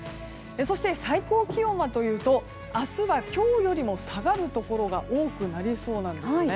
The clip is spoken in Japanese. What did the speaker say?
そして、最高気温はというと明日は今日よりも下がるところが多くなりそうなんです。